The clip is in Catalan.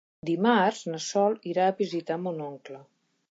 Dimarts na Sol irà a visitar mon oncle.